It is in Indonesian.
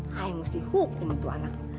saya mesti hukum tuh anak